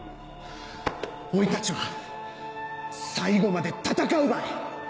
おいたちは最後まで戦うばい！